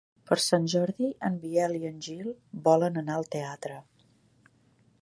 Per Sant Jordi en Biel i en Gil volen anar al teatre.